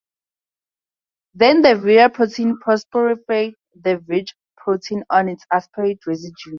Then the virA protein phosphorylates the virG protein on its aspartate residue.